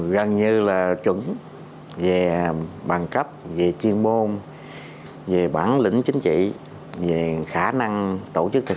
gần như là chuẩn về bằng cấp về chuyên môn về bản lĩnh chính trị về khả năng tổ chức thực